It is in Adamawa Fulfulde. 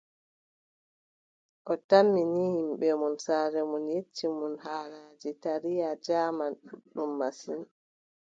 O tammi ni yimɓe mon, saaro mon yecci mon haalaaji taariya jaaman ɗuuɗɗum masin.